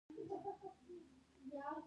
آیا د ماشوم سنتي کول لوی جشن نه وي؟